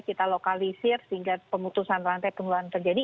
kita lokalisir sehingga pemutusan rantai penularan terjadi